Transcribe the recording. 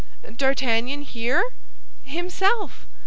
D'Artagnan here?" "Himself!"